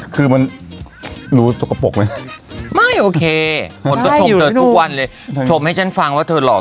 คือมันรู้สกปรกไหมไม่โอเคคนก็ชมเธอทุกวันเลยชมให้ฉันฟังว่าเธอหลอก